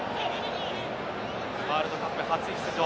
ワールドカップ初出場。